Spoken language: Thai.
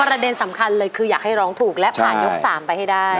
ประเด็นสำคัญเลยคืออยากให้ร้องถูกและผ่านยก๓ไปให้ได้